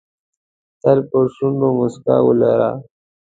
تل په شونډو موسکا ولره .